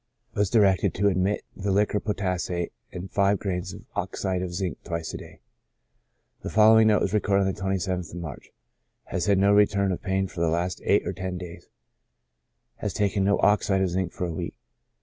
Was directed to omit the liquor potassae, and take five grains of oxide of zinc twice a day. The following note was recorded on the 27th of March : Has had no return of pain for the last eight or ten days ; has taken no oxide of zinc for a week.